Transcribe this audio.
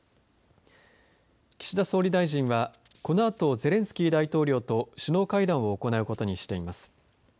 岸田総理大臣は、このあとゼレンスキー大統領と首脳会談を行うことにしています。